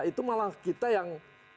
itu malah kita yang